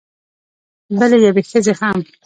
بلې یوې ښځې هم